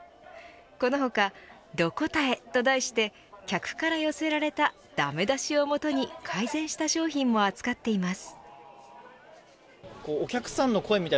この他、ドこたえと題して客から寄せられた駄目だしをもとに改善した商品を扱っています。